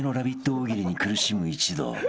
大喜利に苦しむ一同］